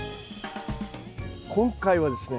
今回はですね